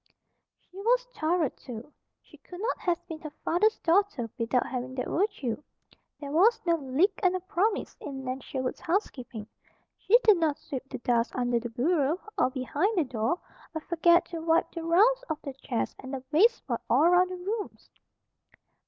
She was thorough, too. She could not have been her father's daughter without having that virtue. There was no "lick and a promise" in Nan Sherwood's housekeeping. She did not sweep the dust under the bureau, or behind the door, or forget to wipe the rounds of the chairs and the baseboard all around the rooms.